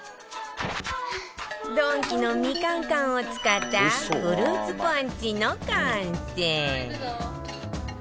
ドンキのみかん缶を使ったフルーツポンチの完成